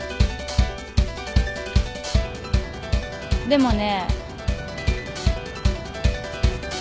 でもね。